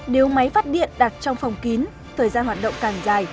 nếu máy phát điện đặt trong phòng kín thời gian hoạt động càng dài